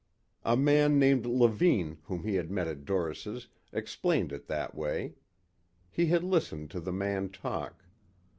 A man named Levine whom he had met at Doris' explained it that way. He had listened to the man talk